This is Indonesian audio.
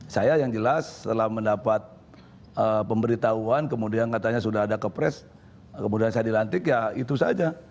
saya yang jelas setelah mendapat pemberitahuan kemudian katanya sudah ada kepres kemudian saya dilantik ya itu saja